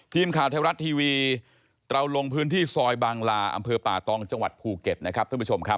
ทีมข่าวแท้รัฐทีวีเราลงพื้นที่ซอยบางลาอำเภอป่าตองจังหวัดภูเก็ต